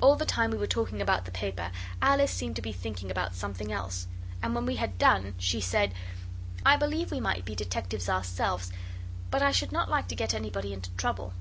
All the time we were talking about the paper Alice seemed to be thinking about something else, and when we had done she said 'I believe we might be detectives ourselves, but I should not like to get anybody into trouble.